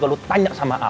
kamu tanya sama al